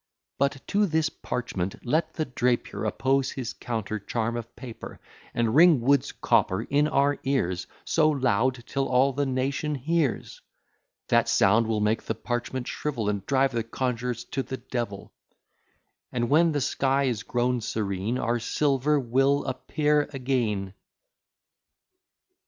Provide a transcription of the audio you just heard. But to this parchment let the Drapier Oppose his counter charm of paper, And ring Wood's copper in our ears So loud till all the nation hears; That sound will make the parchment shrivel And drive the conjurors to the Devil; And when the sky is grown serene, Our silver will appear again.